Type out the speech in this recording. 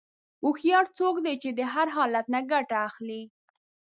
هوښیار څوک دی چې د هر حالت نه ګټه اخلي.